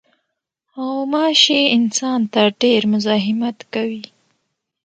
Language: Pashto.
غوماشې انسان ته ډېر مزاحمت کوي.